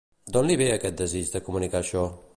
D'on li ve aquest desig de comunicar això?